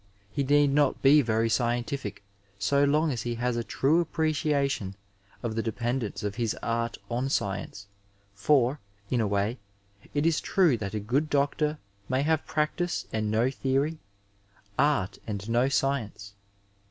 He need not be very scientific so long as he has a true appreciation of the dependence of his art on science, for, in a way, it is true that a good doctor may have prac tice and no theory, art and no science.